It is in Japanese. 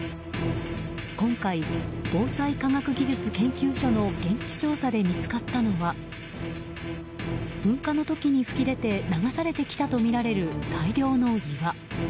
今回、防災科学研究所の現地調査で見つかったのは噴火の時に噴き出て流されてきたとみられる大量の岩。